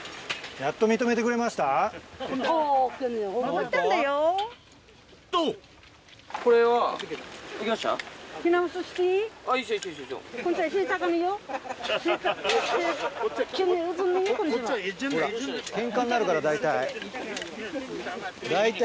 やっと認めてくれました？